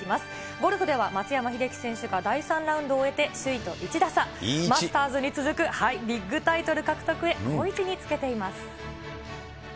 ゴルフでは、松山英樹選手が第３ラウンドを終えて首位と１打差、マスターズに続くビッグタイトル獲得へ、好位置につけています。